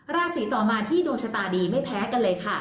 ราศีต่อมาที่ดวงชะตาดีไม่แพ้กันเลยค่ะ